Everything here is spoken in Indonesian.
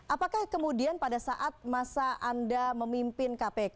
apakah kemudian pada saat masa anda memimpin kpk